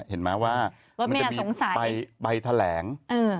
เห็นไหมว่ามันจะมีใบแถลง